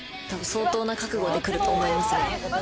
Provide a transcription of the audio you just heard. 相当な覚悟で来ると思いますね。